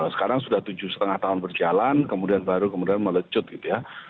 sekarang sudah tujuh lima tahun berjalan kemudian baru kemudian melecut gitu ya